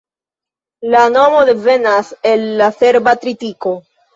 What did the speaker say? La nomo devenas el la serba tritiko.